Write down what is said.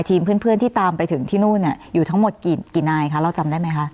เพื่อนที่ตามไปถึงที่นู่นอยู่ทั้งหมดกี่นายคะเราจำได้ไหมคะ